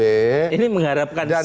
ini mengharapkan safe by the bank